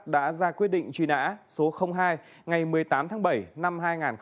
đã ra quyết định truy nã số hai ngày một mươi tám tháng bảy năm hai nghìn một mươi